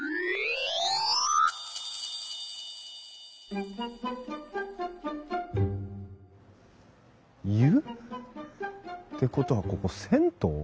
うん？湯？ってことはここ銭湯？